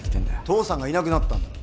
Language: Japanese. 父さんがいなくなったんだ。